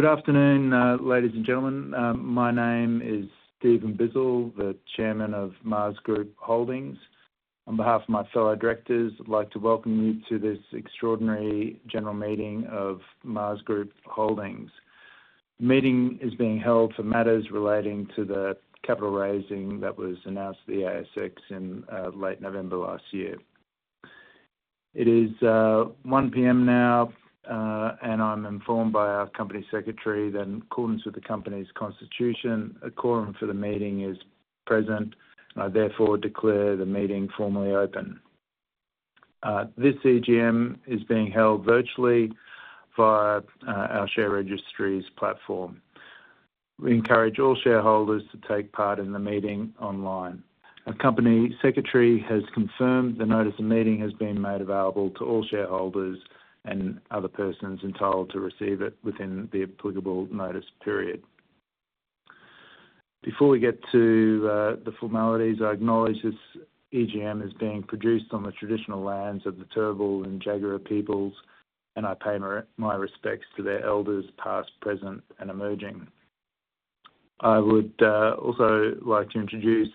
Good afternoon, ladies and gentlemen. My name is Stephen Bizzell, the Chairman of MAAS Group Holdings. On behalf of my fellow directors, I'd like to welcome you to this extraordinary general meeting of MAAS Group Holdings. The meeting is being held for matters relating to the capital raising that was announced to the ASX in late November last year. It is 1:00 P.M. now, and I'm informed by our Company Secretary that in accordance with the Company's constitution, a quorum for the meeting is present. I therefore declare the meeting formally open. This CGM is being held virtually via our share registry's platform. We encourage all shareholders to take part in the meeting online. Our Company Secretary has confirmed the notice of meeting has been made available to all shareholders and other persons entitled to receive it within the applicable notice period. Before we get to the formalities, I acknowledge this EGM is being produced on the traditional lands of the Turrbal and Jagera peoples, and I pay my respects to their elders past, present, and emerging. I would also like to introduce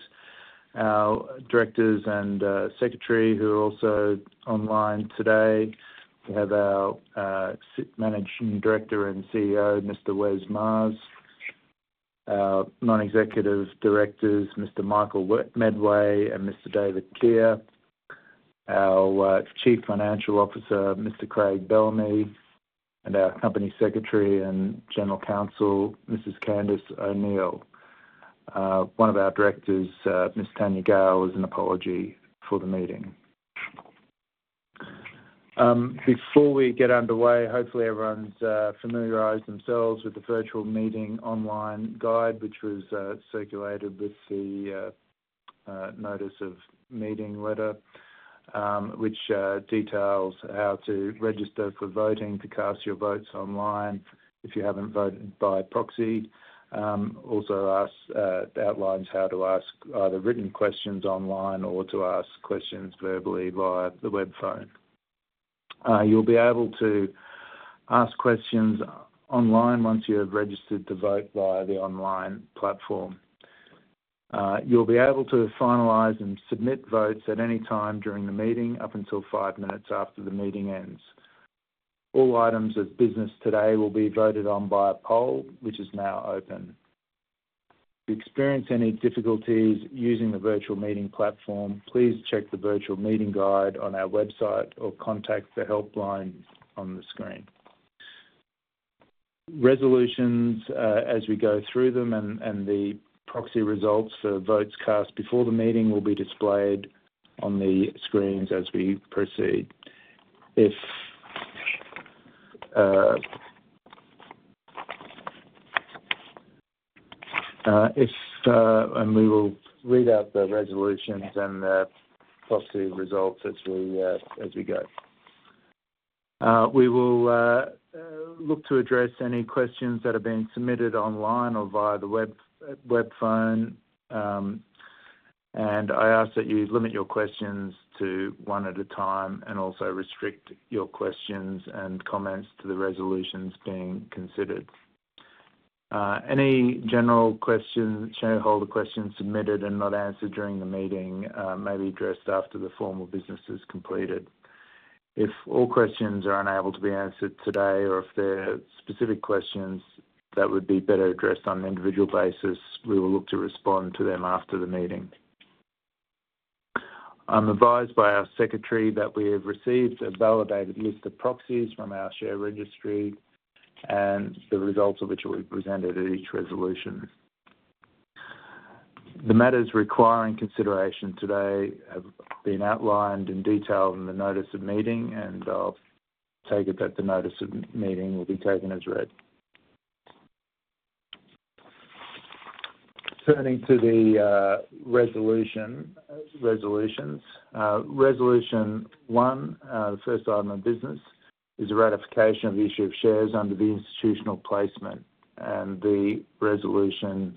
our directors and secretary who are also online today. We have our Managing Director and CEO, Mr. Wes Maas, our Non-Executive Directors, Mr. Michael Medway, and Mr. David Kear, our Chief Financial Officer, Mr. Craig Bellamy, and our Company Secretary and General Counsel, Mrs. Candice O'Neill. One of our Directors, Ms. Tanya Gayle, has an apology for the meeting. Before we get underway, hopefully everyone's familiarized themselves with the virtual meeting online guide, which was circulated with the notice of meeting letter, which details how to register for voting, to cast your votes online if you haven't voted by proxy. It also outlines how to ask either written questions online or to ask questions verbally via the web phone. You will be able to ask questions online once you have registered to vote via the online platform. You will be able to finalize and submit votes at any time during the meeting, up until five minutes after the meeting ends. All items of business today will be voted on by a poll, which is now open. If you experience any difficulties using the virtual meeting platform, please check the virtual meeting guide on our website or contact the helpline on the screen. Resolutions, as we go through them, and the proxy results for votes cast before the meeting will be displayed on the screens as we proceed. We will read out the resolutions and the proxy results as we go. We will look to address any questions that have been submitted online or via the web phone, and I ask that you limit your questions to one at a time and also restrict your questions and comments to the resolutions being considered. Any general questions submitted and not answered during the meeting may be addressed after the formal business is completed. If all questions are unable to be answered today or if there are specific questions, that would be better addressed on an individual basis, we will look to respond to them after the meeting. I'm advised by our Secretary that we have received a validated list of proxies from our share registry and the results of which will be presented at each resolution. The matters requiring consideration today have been outlined in detail in the notice of meeting, and I'll take it that the notice of meeting will be taken as read. Turning to the resolutions, Resolution One, the first item of business, is a ratification of the issue of shares under the institutional placement. The resolution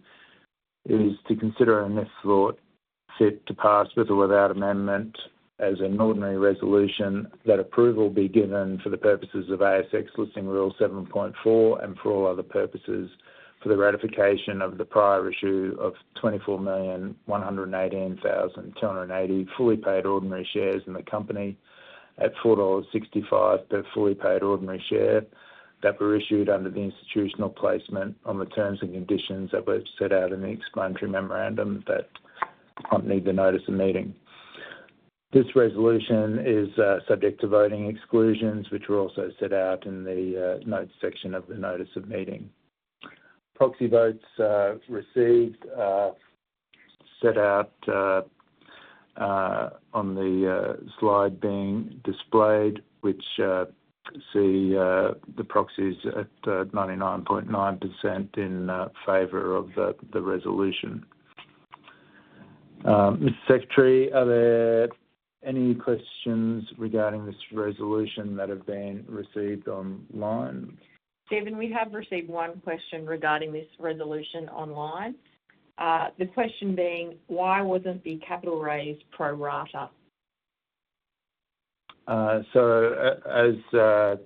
is to consider and if thought fit to pass with or without amendment as an ordinary resolution that approval be given for the purposes of ASX Listing Rule 7.4 and for all other purposes for the ratification of the prior issue of 24,118,280 fully paid ordinary shares in the company at 4.65 dollars per fully paid ordinary share that were issued under the institutional placement on the terms and conditions that were set out in the explanatory memorandum that accompanied the notice of meeting. This resolution is subject to voting exclusions, which were also set out in the notes section of the notice of meeting. Proxy votes received are set out on the slide being displayed, which see the proxies at 99.9% in favor of the resolution. Ms. Secretary, are there any questions regarding this resolution that have been received online? Stephen, we have received one question regarding this resolution online. The question being, why was not the capital raise pro rata? As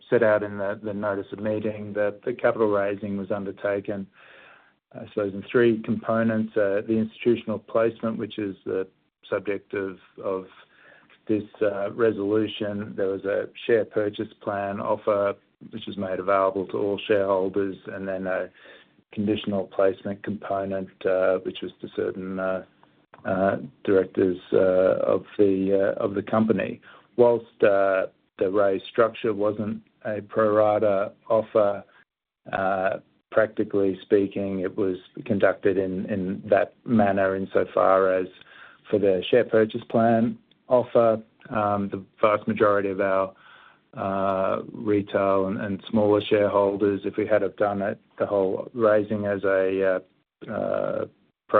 set out in the notice of meeting, the capital raising was undertaken, I suppose, in three components. The institutional placement, which is the subject of this resolution, there was a share purchase plan offer, which was made available to all shareholders, and then a conditional placement component, which was to certain directors of the company. Whilst the raise structure was not a pro rata offer, practically speaking, it was conducted in that manner insofar as for the share purchase plan offer. The vast majority of our retail and smaller shareholders, if we had have done the whole raising as a pro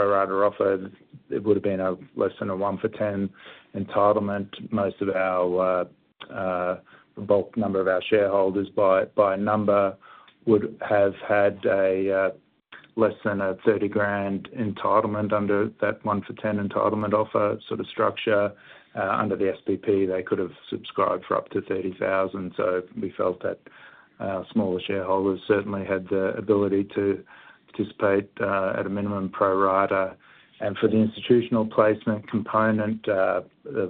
rata offer, it would have been less than a one for ten entitlement. Most of the bulk number of our shareholders, by number, would have had less than a 30 grand entitlement under that one for ten entitlement offer sort of structure. Under the SPP, they could have subscribed for up to 30,000. We felt that smaller shareholders certainly had the ability to participate at a minimum pro rata. For the institutional placement component, the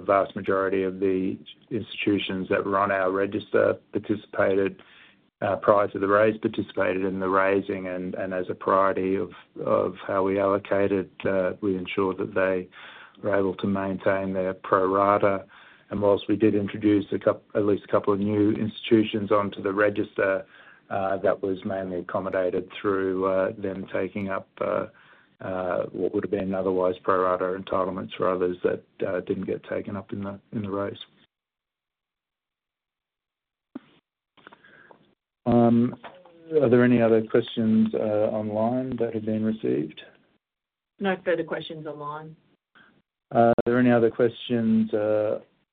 vast majority of the institutions that were on our register participated in the raising. As a priority of how we allocated, we ensured that they were able to maintain their pro rata. Whilst we did introduce at least a couple of new institutions onto the register, that was mainly accommodated through them taking up what would have been otherwise pro rata entitlements for others that did not get taken up in the raise. Are there any other questions online that have been received? No further questions online. Are there any other questions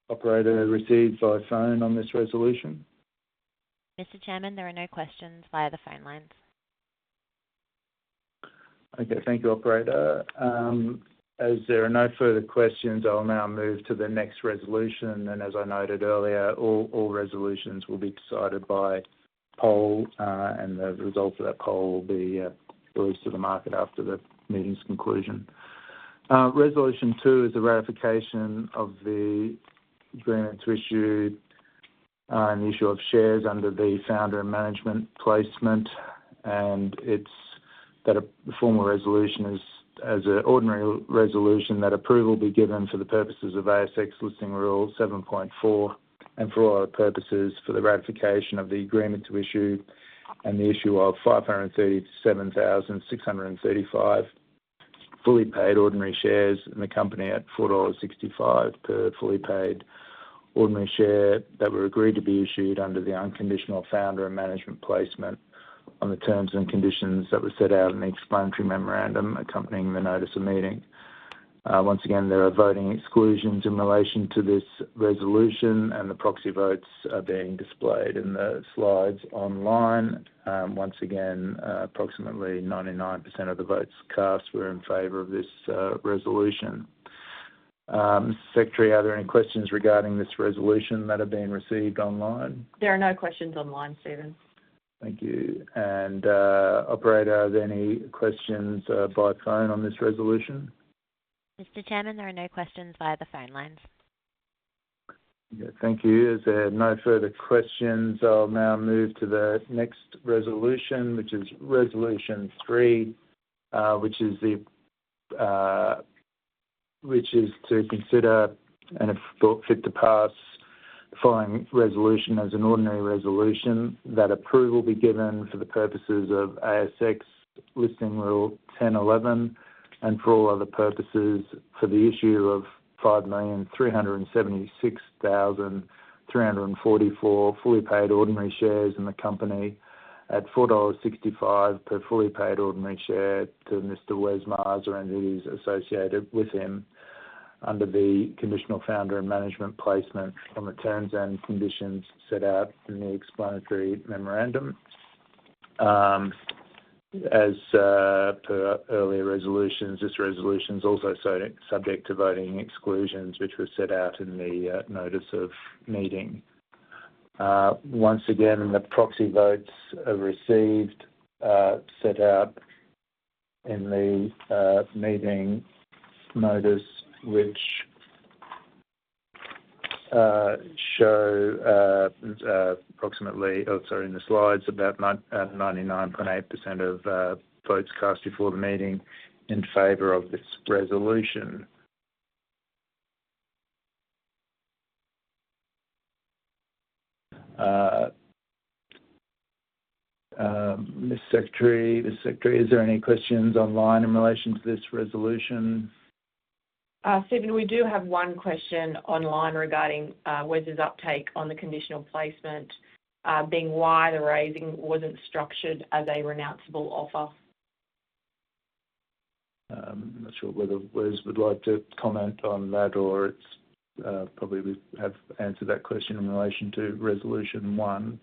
operator received by phone on this resolution? Mr. Chairman, there are no questions via the phone lines. Okay. Thank you, Operator. As there are no further questions, I'll now move to the next resolution. As I noted earlier, all resolutions will be decided by poll, and the result of that poll will be released to the market after the meeting's conclusion. Resolution Two is a ratification of the agreement to issue an issue of shares under the founder and management placement. It is that a formal resolution is as an ordinary resolution that approval be given for the purposes of ASX Listing Rule 7.4 and for all other purposes for the ratification of the agreement to issue and the issue of 537,635 fully paid ordinary shares in the company at 4.65 dollars per fully paid ordinary share that were agreed to be issued under the unconditional founder and management placement on the terms and conditions that were set out in the explanatory memorandum accompanying the notice of meeting. Once again, there are voting exclusions in relation to this resolution, and the proxy votes are being displayed in the slides online. Once again, approximately 99% of the votes cast were in favor of this resolution. Mr. Secretary, are there any questions regarding this resolution that have been received online? There are no questions online, Stephen. Thank you. Operator, are there any questions by phone on this resolution? Mr. Chairman, there are no questions via the phone lines. Okay. Thank you. As there are no further questions, I'll now move to the next resolution, which is Resolution Three, which is to consider and if thought fit to pass the following resolution as an ordinary resolution that approval be given for the purposes of ASX Listing Rule 10.11 and for all other purposes for the issue of 5,376,344 fully paid ordinary shares in the company at 4.65 dollars per fully paid ordinary share to Mr. Wes Maas or entities associated with him under the conditional founder and management placement on the terms and conditions set out in the explanatory memorandum. As per earlier resolutions, this resolution is also subject to voting exclusions, which were set out in the notice of meeting. Once again, the proxy votes are received set out in the meeting notice, which show approximately, also, in the slides, about 99.8% of votes cast before the meeting in favor of this resolution. Mr. Secretary, is there any questions online in relation to this resolution? Stephen, we do have one question online regarding Wes's uptake on the conditional placement, being why the raising wasn't structured as a renounceable offer. I'm not sure whether Wes would like to comment on that, or it's probably we have answered that question in relation to Resolution One.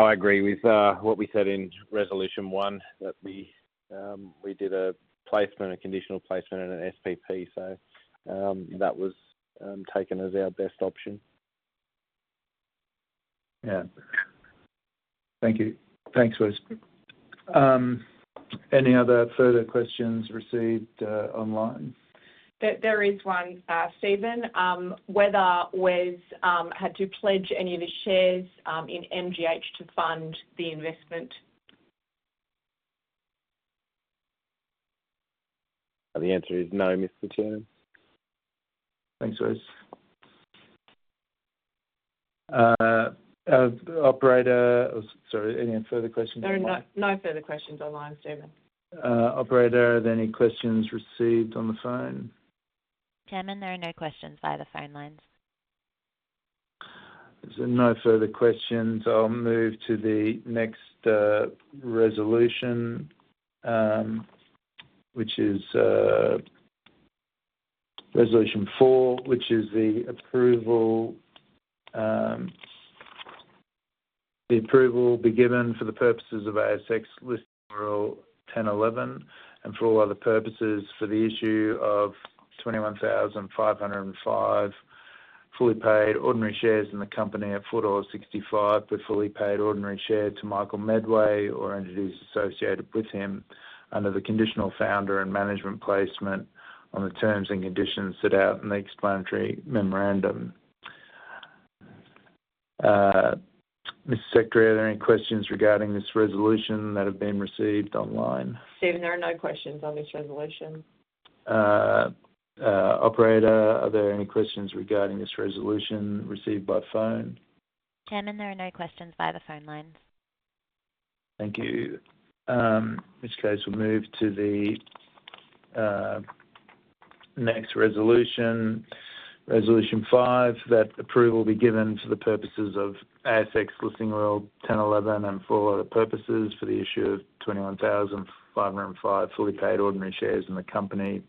I agree with what we said in Resolution One, that we did a placement, a conditional placement in an SPP. That was taken as our best option. Yeah. Thank you. Thanks, Wes. Any other further questions received online? There is one, Stephen. Whether Wes had to pledge any of the shares in MGH to fund the investment? The answer is no, Mr. Chairman. Thanks, Wes. Operator, sorry, any further questions online? There are no further questions online, Stephen. Operator, are there any questions received on the phone? Chairman, there are no questions via the phone lines. If there's no further questions. I'll move to the next resolution, which is Resolution Four, which is the approval be given for the purposes of ASX Listing Rule 10.11 and for all other purposes for the issue of 21,505 fully paid ordinary shares in the company at AUD 4.65 per fully paid ordinary share to Michael Medway or entities associated with him under the conditional founder and management placement on the terms and conditions set out in the explanatory memorandum. Mr. Secretary, are there any questions regarding this resolution that have been received online? Stephen, there are no questions on this resolution. Operator, are there any questions regarding this resolution received by phone? Chairman, there are no questions via the phone lines. Thank you. In this case, we'll move to the next resolution. Resolution Five, that approval be given for the purposes of ASX Listing Rule 10.11 and for all other purposes for the issue of 21,505 fully paid ordinary shares in the company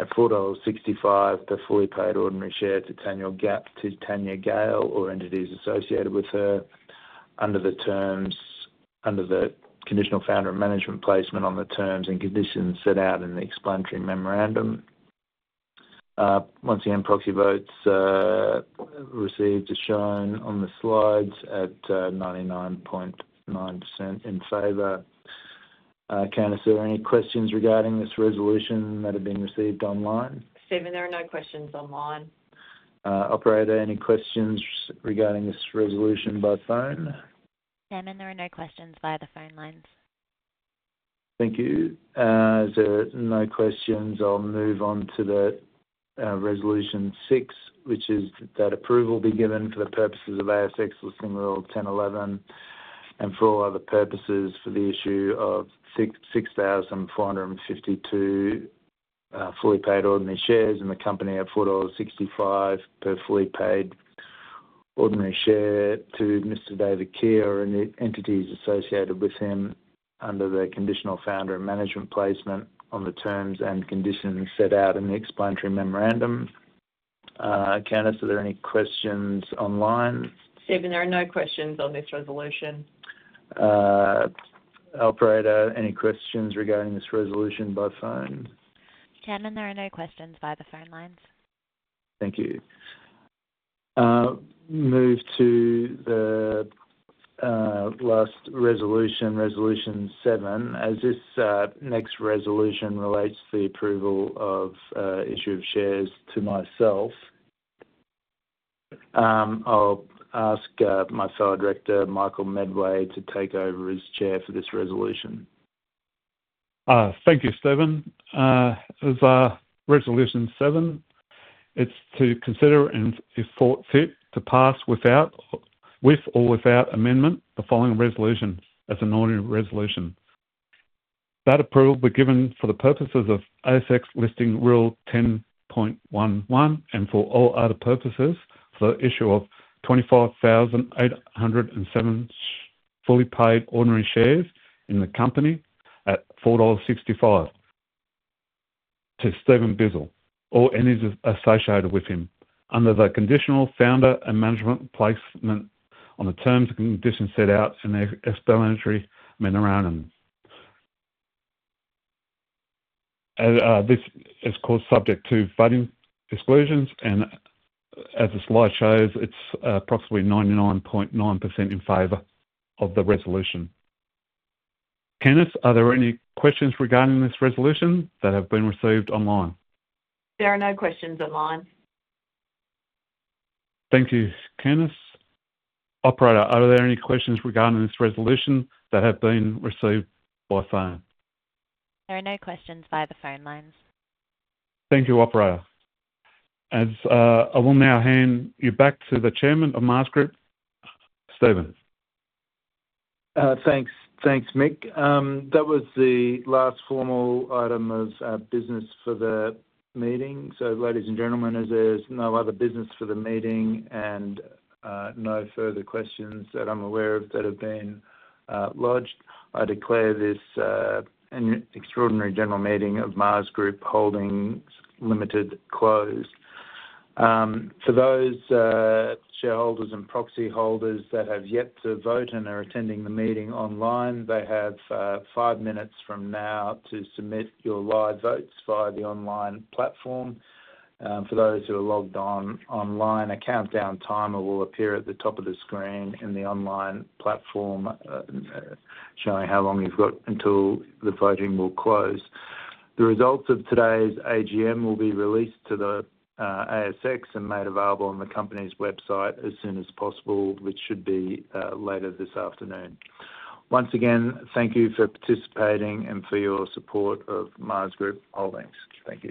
at 4.65 per fully paid ordinary share to Tanya Gayle or entities associated with her under the conditional founder and management placement on the terms and conditions set out in the explanatory memorandum. Once again, proxy votes received as shown on the slides at 99.9% in favor. Candice, are there any questions regarding this resolution that have been received online? Stephen, there are no questions online. Operator, any questions regarding this resolution by phone? Chairman, there are no questions via the phone lines. Thank you. As there are no questions, I'll move on to the Resolution Six, which is that approval be given for the purposes of ASX Listing Rule 10.11 and for all other purposes for the issue of 6,452 fully paid ordinary shares in the company at 4.65 dollars per fully paid ordinary share to Mr. David Kear or entities associated with him under the conditional founder and management placement on the terms and conditions set out in the explanatory memorandum. Candice, are there any questions online? Stephen, there are no questions on this resolution. Operator, any questions regarding this resolution by phone? Chairman, there are no questions via the phone lines. Thank you. Move to the last resolution, Resolution Seven. As this next resolution relates to the approval of issue of shares to myself, I'll ask my fellow director, Michael Medway, to take over as chair for this resolution. Thank you, Stephen. As Resolution Seven, it's to consider and if thought fit to pass with or without amendment the following resolution as an ordinary resolution. That approval be given for the purposes of ASX Listing Rule 10.11 and for all other purposes for the issue of 25,807 fully paid ordinary shares in the company at 4.65 dollars to Stephen Bizzell or entities associated with him under the conditional founder and management placement on the terms and conditions set out in the explanatory memorandum. This is, of course, subject to voting exclusions. As the slide shows, it's approximately 99.9% in favor of the resolution. Candice, are there any questions regarding this resolution that have been received online? There are no questions online. Thank you, Candice. Operator, are there any questions regarding this resolution that have been received by phone? There are no questions via the phone lines. Thank you, Operator. I will now hand you back to the Chairman of MAAS Group, Stephen. Thanks, Mick. That was the last formal item as business for the meeting. Ladies and gentlemen, as there is no other business for the meeting and no further questions that I am aware of that have been lodged, I declare this Extraordinary General Meeting of MAAS Group Holdings closed. For those shareholders and proxy holders that have yet to vote and are attending the meeting online, they have five minutes from now to submit your live votes via the online platform. For those who are logged on online, a countdown timer will appear at the top of the screen in the online platform showing how long you have got until the voting will close. The results of today's AGM will be released to the ASX and made available on the company's website as soon as possible, which should be later this afternoon. Once again, thank you for participating and for your support of MAAS Group Holdings. Thank you.